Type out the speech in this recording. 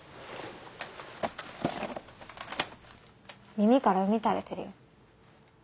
耳から膿たれてるよ。